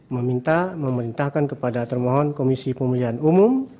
meminta memerintahkan kepada termohon komisi pemilihan umum